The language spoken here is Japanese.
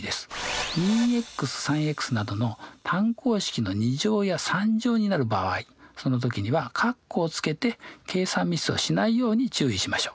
２３などの単項式の２乗や３乗になその時には括弧をつけて計算ミスをしないように注意しましょう。